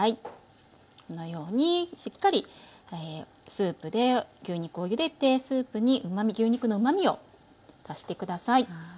このようにしっかりスープで牛肉をゆでてスープに牛肉のうまみを足して下さい。